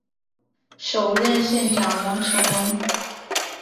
首任县长王成文。